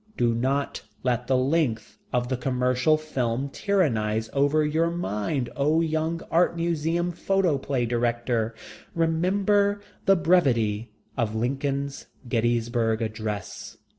Do not let the length of the commercial film tyrannize over your mind, O young art museum photoplay director. Remember the brevity of Lincoln's Gettysburg address....